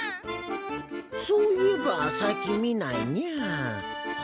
そういえば最近見ないにゃあ。